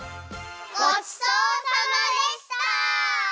ごちそうさまでした！